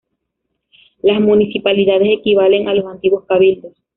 Las Municipalidades equivalen a los antiguos cabildos.